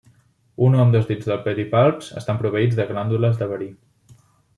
Un o ambdós dits dels pedipalps estan proveïts de glàndules de verí.